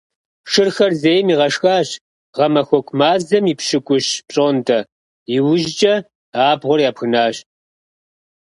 Шырхэр зейм игъэшхащ гъэмахуэку мазэм и пщыкӀущ пщӀондэ, иужькӀэ абгъуэр ябгынащ.